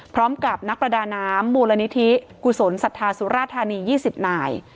พร้อมกับนักประดาน้ำมูลนิธิกุศลศรัทธาสุราธานี๒๐นาย